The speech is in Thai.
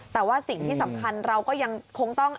แต่ว่าสิ่งที่สำคัญเราก็ยังคงต้อง